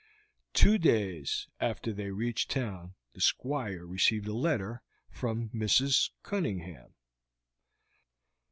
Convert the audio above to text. Two days after they had reached town the Squire received a letter from Mrs. Cunningham.